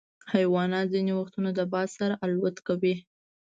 حیوانات ځینې وختونه د باد سره الوت کوي.